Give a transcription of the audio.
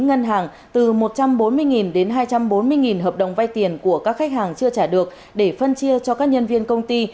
ngân hàng từ một trăm bốn mươi đến hai trăm bốn mươi hợp đồng vay tiền của các khách hàng chưa trả được để phân chia cho các nhân viên công ty